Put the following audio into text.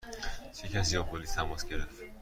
چه کسی با پلیس تماس گرفت؟